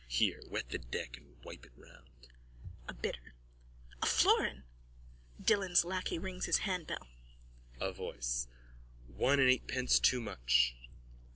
_ Here wet the deck and wipe it round! A BIDDER: A florin. (Dillon's lacquey rings his handbell.) THE LACQUEY: Barang! A VOICE: One and eightpence too much.